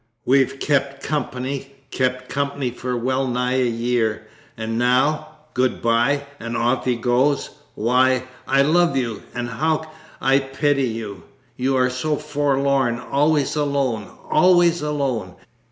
We've kept company, kept company for well nigh a year, and now "Good bye!" and off he goes! Why, I love you, and how I pity you! You are so forlorn, always alone, always alone.